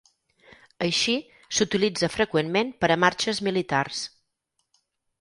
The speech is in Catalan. Així, s'utilitza freqüentment per a marxes militars.